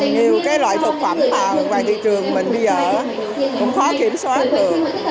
nhiều cái loại thực phẩm ngoài thị trường mình bây giờ cũng khó kiểm soát được